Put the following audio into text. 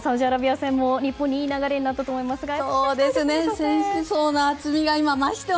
住田さん、サウジアラビア戦も日本にいい流れになったと思いますが。